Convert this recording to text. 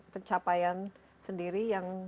pencapaian sendiri yang